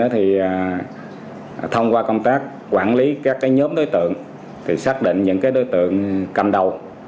thứ hai thông qua công tác quản lý các nhóm đối tượng xác định những đối tượng cầm đầu